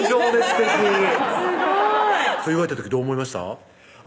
すごいそれ言われた時どう思いました？